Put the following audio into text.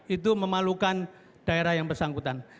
itu memalukan daerah yang bersangkutan